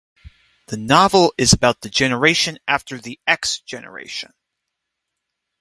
The novel is about the generation after the X generation.